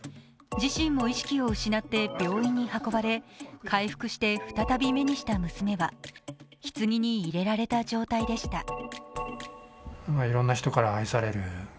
自身も意識を失って病院に運ばれ、回復して再び目にした娘はひつぎに入れられた状態でした。